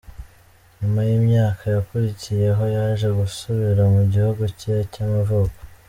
Nyuma y’imyaka yakurikiyeho yaje gusubira mu gihugu cye cy’amavuko.